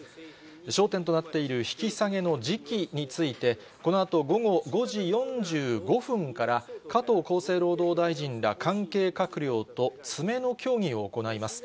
焦点となっている引き下げの時期について、このあと午後５時４５分から、加藤厚生労働大臣ら関係閣僚と詰めの協議を行います。